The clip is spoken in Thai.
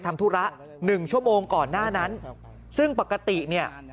ทำธุระหนึ่งชั่วโมงก่อนหน้านั้นซึ่งปกติเนี่ย